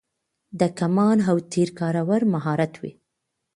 د کمان او تیر کارول مهارت و